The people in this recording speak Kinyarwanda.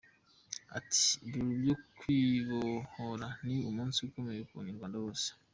Ati "Ibirori byo Kwibohora ni umunsi ukomeye ku Munyarwanda wese.